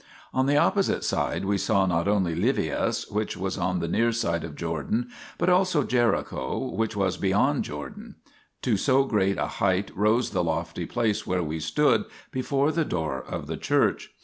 On the opposite side we saw not only Livias, which was on the near side of Jordan, but also Jericho, which was beyond Jordan ; to so great a height rose the lofty place where we stood, before the door of the church.